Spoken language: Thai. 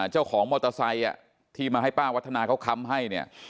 เจ้าของมอเตอร์ไซค์ที่มาให้ป้าวัฒนาเขาค้ำให้เนี่ย